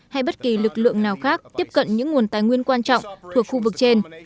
hay bất kỳ lực lượng nào khác tiếp cận những nguồn tài nguyên quan trọng thuộc khu vực trên